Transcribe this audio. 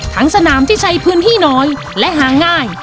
สนามที่ใช้พื้นที่น้อยและหาง่าย